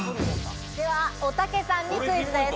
では、おたけさんにクイズです。